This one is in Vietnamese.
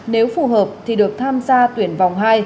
nếu phù hợp thì được tham gia tuyển vòng hai